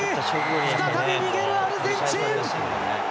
再び逃げるアルゼンチン。